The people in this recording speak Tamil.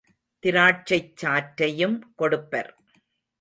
திராட்சைச் சாற்றையும் கொடுப்பர்.